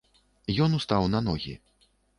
Ён устаў на ногі.